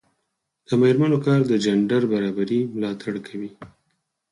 د میرمنو کار د جنډر برابري ملاتړ کوي.